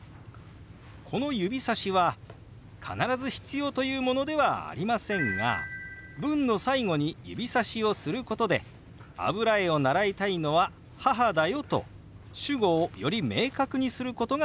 この指さしは必ず必要というものではありませんが文の最後に指さしをすることで「油絵を習いたいのは母だよ」と主語をより明確にすることができます。